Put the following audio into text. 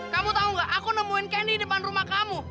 kamu tau gak aku nemuin ken di depan rumah kamu